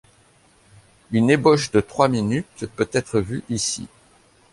Une ébauche de trois minutes peut-être vue ici.